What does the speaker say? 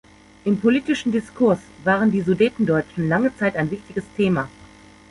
Im politischen Diskurs waren die Sudetendeutschen lange Zeit ein wichtiges Thema.